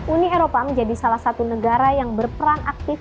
uni eropa menjadi salah satu negara yang berperan aktif